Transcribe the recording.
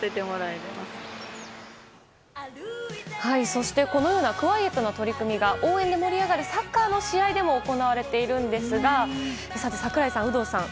そして、このようなクワイエットな取り組みが応援で盛り上がるサッカーの試合でも行われているんですが櫻井さん、有働さん